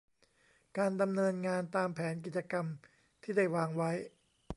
การดำเนินงานตามแผนกิจกรรมที่ได้วางไว้